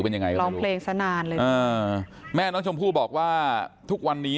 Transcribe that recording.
เป็นยังไงร้องเพลงซะนานเลยนะอ่าแม่น้องชมพู่บอกว่าทุกวันนี้